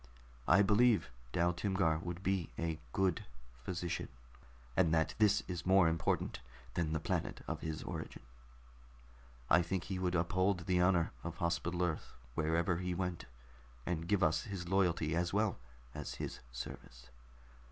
I believe Dal Timgar would be a good physician, and that this is more important than the planet of his origin. I think he would uphold the honor of Hospital Earth wherever he went, and give us his loyalty as well as his service.